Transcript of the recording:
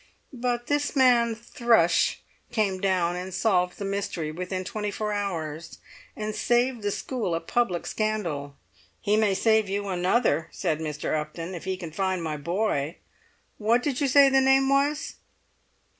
But this man Thrush came down and solved the mystery within twenty four hours, and saved the school a public scandal." "He may save you another," said Mr. Upton, "if he can find my boy. What did you say the name was?"